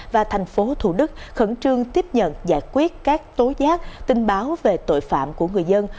và thành phố thủ đức khẩn trương tiếp nhận giải quyết các tố giác tin báo về tội phạm của người dân